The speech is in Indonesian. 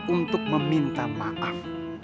untuk meminta maaf